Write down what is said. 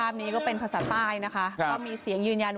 เชื่อรู้ไก่บ้าเลยมั่น